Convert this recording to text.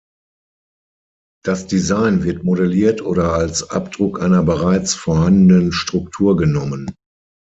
Das Design wird modelliert oder als Abdruck einer bereits vorhandenen Struktur genommen.